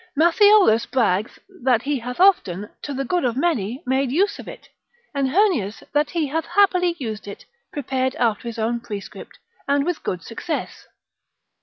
Matthiolus brags, that he hath often, to the good of many, made use of it, and Heurnius, that he hath happily used it, prepared after his own prescript, and with good success.